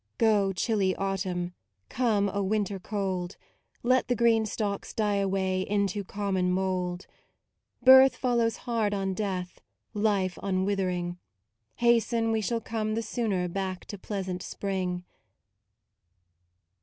Go, chilly Autumn, Come, Oh Winter cold ; Let the green stalks die away Into common mould. Birth follows hard on death, Life on withering. Hasten, we shall come the sooner Back to pleasant Spring.